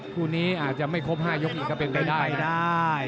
คู่นี้อาจจะไม่ครบ๕ยกอีกก็เป็นไปได้